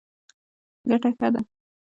ګټه ښه ده.